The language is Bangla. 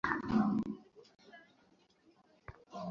রাত আটটা বাজার মিনিট দশেক আগেই হঠাৎ রাতের আকাশে আলোর ফুলঝুরি।